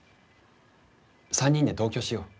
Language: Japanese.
３人で同居しよう。